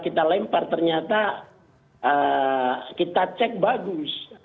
kita lempar ternyata kita cek bagus